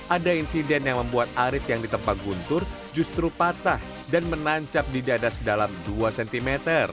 ada insiden yang membuat arit yang ditempa guntur justru patah dan menancap di dada sedalam dua cm